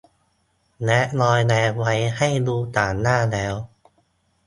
และรอยแดงไว้ให้ดูต่างหน้าแล้ว